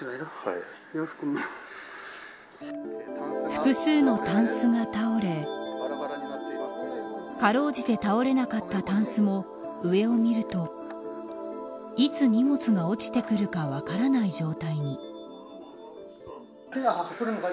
複数のたんすが倒れかろうじて倒れなかったたんすも上を見るといつ、荷物が落ちてくるか分からない状態に。